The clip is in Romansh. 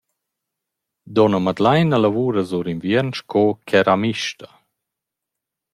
Duonna Madlaina lavura sur inviern sco keramista.